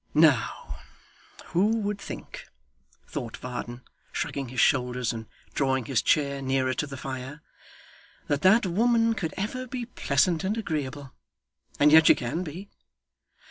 'Now, who would think,' thought Varden, shrugging his shoulders and drawing his chair nearer to the fire, 'that that woman could ever be pleasant and agreeable? And yet she can be.